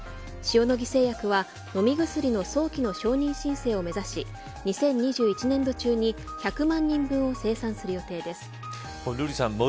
塩野義製薬は飲み薬の早期の承認申請を目指し２０２１年度中に１００万人分を瑠麗さん